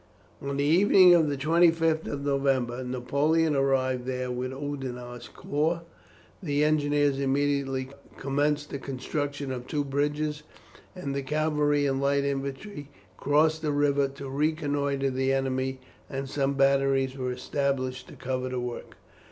On the evening of the 25th of November Napoleon arrived there with Oudinot's corps. The engineers immediately commenced the construction of two bridges, and the cavalry and light infantry crossed the river to reconnoitre the enemy, and some batteries were established to cover the work.